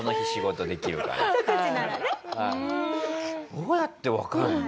どうやってわかるの？